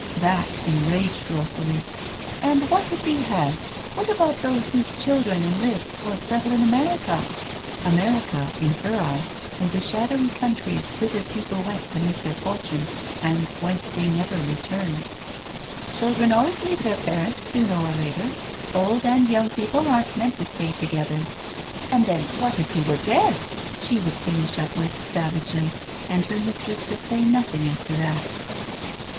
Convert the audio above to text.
That enraged Rosalie. " And what if he has ? How about those whose children enlist, or settle in America ?" (America, in her eyes, was a shadowy country whither people went to make their fortune, and whence they never returned.) " Children always leave their parents sooner or later ; old and young people aren't meant to stay together. And then, what if he were dead ?" she would finish up with savagely, and her mistress could say nothing after that.